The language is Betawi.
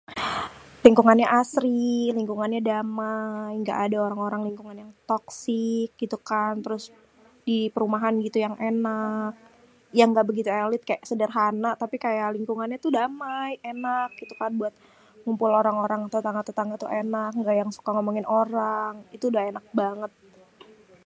Lingkungannya asri, lingkungannya damai, gak ada orang-orang lingkungan yang toxic gitu kan. Terus di perumahan gitu yang ènak, yang gak begitu èlit kaya sêdêrhana, tapi kaya lingkungannya tuh damai, ènak gitukan buat kumpul orang-orang tuh.. têtangga-têtangga ênak gak yang suka ngomongin orang. Itu udah ènak bangèt.